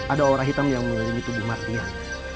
ada aura hitam yang menolongi tubuh merdian